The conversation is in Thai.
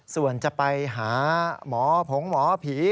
ส่วนจะไปหาหมอผงหมอผี